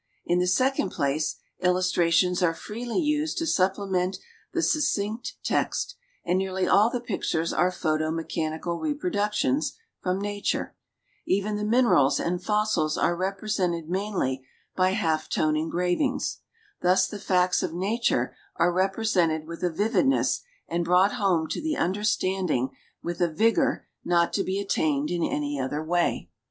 In the second place illustrations are freely used to supjilement the succinct text, and nearly all the pictures are photo mechanical reproductions from nature; even the minerals and fossils are represented mainly by half tone engravings; thus the facts of nature are represented with a vividness and brought home to the under standing with a vigor not to be attained in any other way.